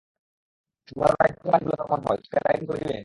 শুধু ভালো রাইড করতে পারিস বলে তোর মনে হয়, তোকে রাইডার করে দিবে?